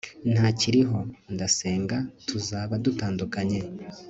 ntakiriho, ndasenga, tuzaba dutandukanye